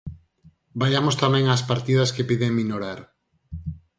Vaiamos tamén ás partidas que piden minorar.